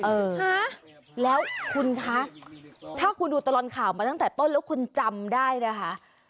ฮะแล้วคุณคะถ้าคุณดูตลอดข่าวมาตั้งแต่ต้นแล้วคุณจำได้นะคะ